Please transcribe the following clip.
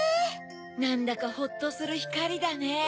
なんだかホッとするひかりだね。